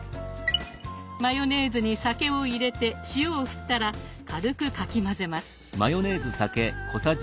マヨネーズに酒を入れて塩を振ったら軽くかき混ぜます。